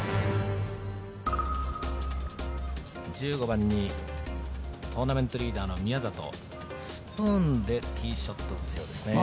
１５番にトーナメントリーダーの宮里スプーンでティーショットを打つようですね